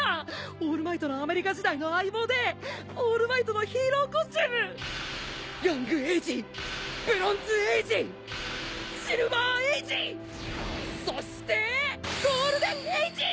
オールマイトのアメリカ時代の相棒でオールマイトのヒーローコスチュームヤングエイジブロンズエイジシルバーエイジそしてゴールデンエイジ！